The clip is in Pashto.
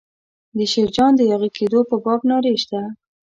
د شیرجان د یاغي کېدو په باب نارې شته.